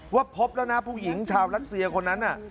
พบแล้วนะผู้หญิงชาวรัสเซียคนนั้นน่ะ